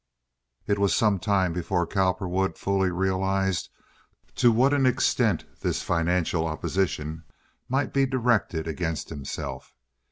It was some time before Cowperwood fully realized to what an extent this financial opposition might be directed against himself.